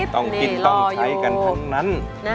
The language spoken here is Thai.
ต้องกินต้องใช้กันทั้งนั้น